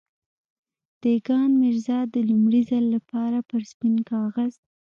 دېګان ميرزا د لومړي ځل لپاره پر سپين کاغذ.